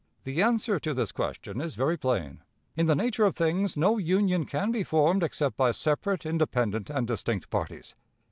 The answer to this question is very plain. In the nature of things, no union can be formed except by separate, independent, and distinct parties.